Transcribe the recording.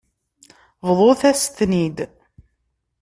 Bḍut-as-ten-id.